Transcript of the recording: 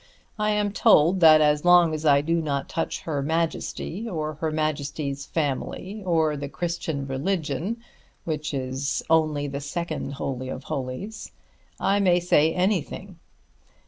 I am told that as long as I do not touch Her Majesty or Her Majesty's family, or the Christian religion, which is only the second Holy of Holies, I may say anything.